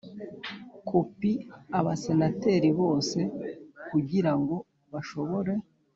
Kopi abasenateri bose kugira ngo bashobore